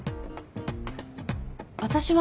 私は。